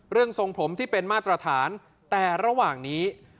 ทรงผมที่เป็นมาตรฐานแต่ระหว่างนี้